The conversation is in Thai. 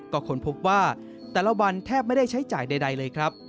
ก็ค้นพบว่าแต่ละวันแทบไม่ได้ใช้จ่ายใดเลยครับ